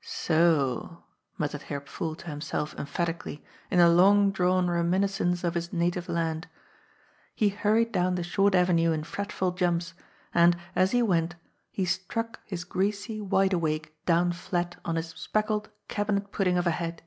" So o," muttered Herr Pfuhl to himself emphatically, in a long drawn reminiscence of his native land. He hurried down the short avenue in fretful jumps, and, as he went, he struck his greasy wide awake down fiat on his MUSIC AND DISCORD. 203 speckled cabinet pudding of a head.